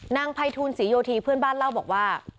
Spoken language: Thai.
ไพทูลศรีโยธีเพื่อนบ้านเล่าบอกว่า